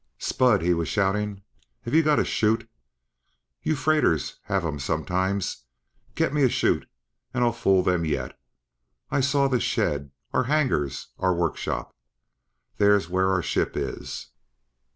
"Spud," he was shouting, "have you got a 'chute? You freighters have 'em sometimes. Get me a 'chute and I'll fool them yet! I saw the shed our hangars our work shop! There's where our ship is!"